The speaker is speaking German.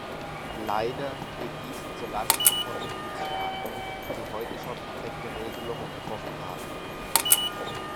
Leider geht dies zu Lasten von Mitgliedstaaten, die heute schon perfekte Regelungen getroffen haben.